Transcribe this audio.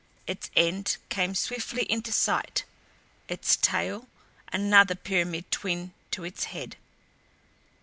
Its end came swiftly into sight its tail another pyramid twin to its head.